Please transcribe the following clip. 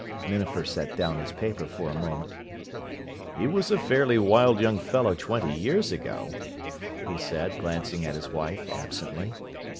Minafer set down his paper for the moment. "He was a fairly wild young fellow twenty years ago," he said, glancing at his wife absently.